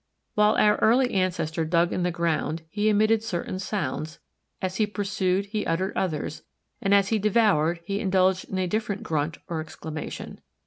While our early ancestor dug in the ground he emitted certain sounds, as he pursued he uttered others, and as he devoured he indulged in a different grunt or exclamation.